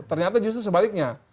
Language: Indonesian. ternyata justru sebaliknya